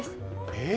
えっ？